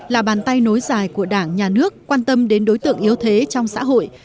là bàn tay nối dài của đảng nhà nước quan tâm đến đối tượng yếu thế trong xã hội